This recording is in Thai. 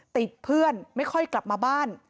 ติดเพื่อนไม่ค่อยกลับมาบ้าน